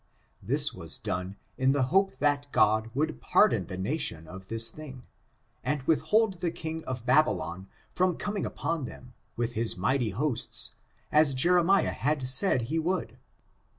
This was done in the hopeihat God would pardon the nation of this thing, and withhold the king of Babylon from coming upon them, with his mighty hosts, as Jeremiah had said he would.